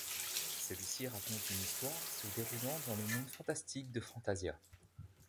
Celui-ci raconte une histoire se déroulant dans le monde fantastique de Fantasia.